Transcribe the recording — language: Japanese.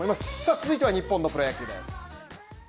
続いては日本のプロ野球です。